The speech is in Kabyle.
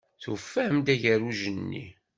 Tufam-d agerruj-nni?